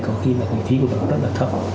có khi là phí của nó rất là thấp